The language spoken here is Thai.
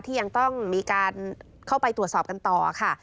ยังต้องมีการเข้าไปตรวจสอบกันต่อค่ะ